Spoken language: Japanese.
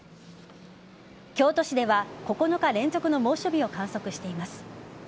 京都市では、９日連続の猛暑日を観測しています。